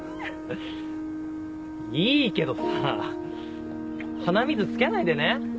いいけどさ鼻水付けないでね。